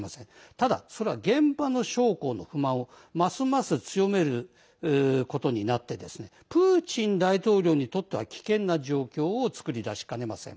ただその現場の将校その不満をますます強めることになってプーチン大統領にとっては危険な状況を作り出しかねません。